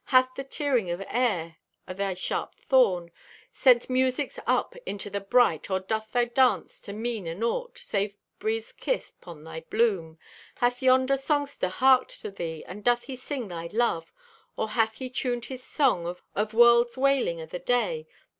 Hath the tearing o' the air o' thy sharped thorn Sent musics up unto the bright, Or doth thy dance to mean anaught Save breeze kiss 'pon thy bloom? Hath yonder songster harked to thee, And doth he sing thy love? Or hath he tuned his song of world's wailing o' the day?